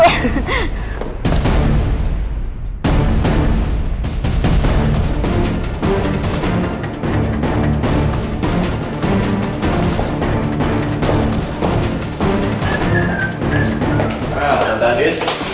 nah tante adis